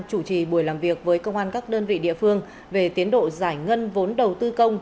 chủ trì buổi làm việc với công an các đơn vị địa phương về tiến độ giải ngân vốn đầu tư công